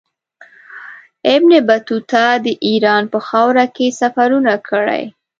ابن بطوطه د ایران په خاوره کې سفرونه کړي.